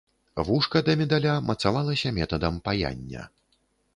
Вушка да медаля мацавалася метадам паяння.